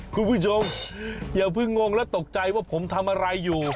คุณผู้ชมอย่าเพิ่งงงและตกใจว่าผมทำอะไรอยู่